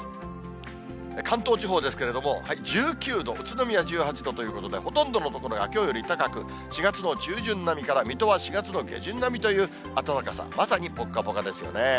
関東地方ですけれども、１９度、宇都宮１８度ということで、ほとんどの所がきょうより高く、４月の中旬並みから、水戸は４月の下旬並みという暖かさ、まさにぽっかぽかですよね。